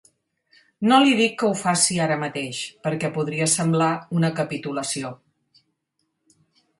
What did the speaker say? No li dic que ho faci ara mateix, perquè podria semblar una capitulació.